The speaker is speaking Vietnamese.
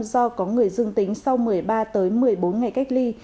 do có người dương tính sau một mươi ba một mươi bốn ngày cách ly